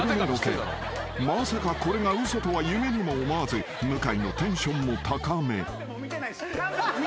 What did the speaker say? ［まさかこれが嘘とは夢にも思わず向井のテンションも高め］